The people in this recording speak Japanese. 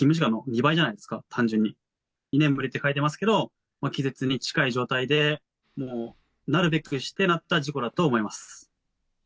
居眠りって書いてますけど、気絶に近い状態で、もうなるべくしてなった事故だと思います。